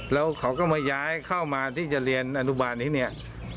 แล้วเขาก็มาย้ายเข้ามาที่จะเรียนอนุบาลนี้เนี่ย